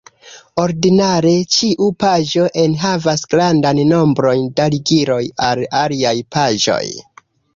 Ordinare, ĉiu paĝo enhavas grandan nombron da ligiloj al aliaj paĝoj.